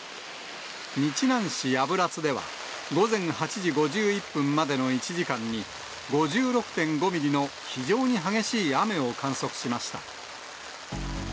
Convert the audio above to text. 日南市油津では、午前８時５１分までの１時間に、５６．５ミリの非常に激しい雨を観測しました。